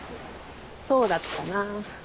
そうだったな。